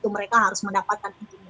mereka harus mendapatkan izin